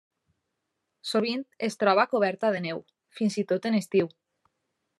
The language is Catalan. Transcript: Sovint es troba coberta de neu, fins i tot en estiu.